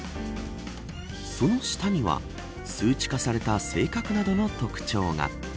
その下には数値化された性格などの特徴が。